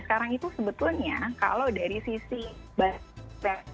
sekarang itu sebetulnya kalau dari sisi bahasa korea itu tidak ada